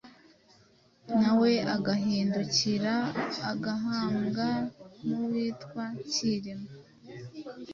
na we agahindukira agahambwa n'uwitwa Cyilima.